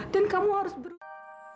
dan kamu harus berhenti